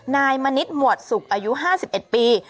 นายมณิษฐ์หมวดสุกอายุ๕๑ปี